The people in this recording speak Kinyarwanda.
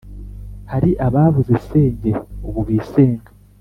hari ababuze senge ubu bisenga ,